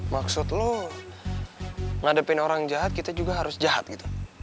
maksud lo ngadepin orang jahat kita juga harus jahat gitu